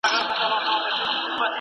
لامبو وهل د مفصلونو لپاره نرم تمرین دی.